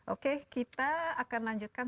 oke kita akan lanjutkan